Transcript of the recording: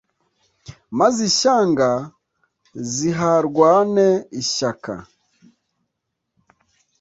maze ishyanga ziharwane ishyaka